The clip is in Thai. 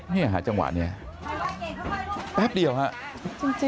นี่หาจังหวัดเนี่ยแป๊บเดียวฮะ